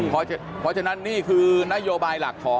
เพราะฉะนั้นนี่คือนโยบายหลักของ